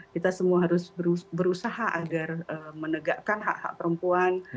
kita semua harus berusaha agar menegakkan hak hak perempuan